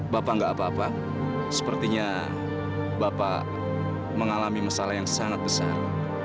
bapak nggak apa apa sepertinya bapak mengalami masalah yang sangat besar